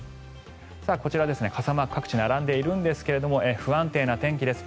こちら、傘マーク各地並んでいるんですが不安定な天気です。